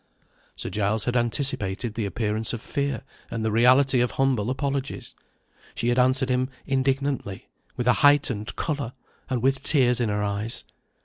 Sir Giles had anticipated the appearance of fear, and the reality of humble apologies. She had answered him indignantly, with a heightened colour, and with tears in her eyes.